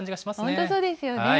本当、そうですよね。